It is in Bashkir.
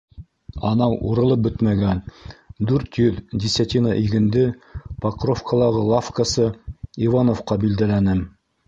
Анау урылып бөтмәгән дүрт йөҙ десятина игенде Покровкалағы лавкасы Ивановҡа билдәләнем.